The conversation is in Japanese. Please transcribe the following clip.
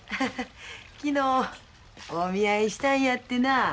昨日お見合いしたんやてなあ。